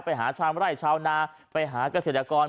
ไปหาชาวไร่ชาวนาไปหาเกษตรกร